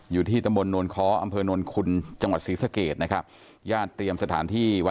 อยู่ที่ตระมณนนวลค้ออำถานวลคุณจังหวัดศรีสะเกตนะครับ